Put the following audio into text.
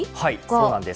そうなんです。